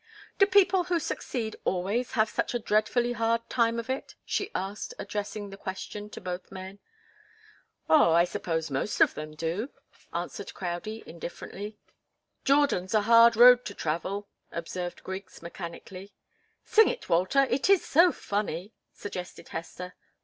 "Do people who succeed always have such a dreadfully hard time of it?" she asked, addressing the question to both men. "Oh, I suppose most of them do," answered Crowdie, indifferently. "'Jordan's a hard road to travel,'" observed Griggs, mechanically. "Sing it, Walter it is so funny!" suggested Hester.